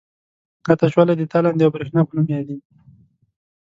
دا تشوالی د تالندې او برېښنا په نوم یادیږي.